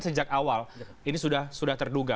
sejak awal ini sudah terduga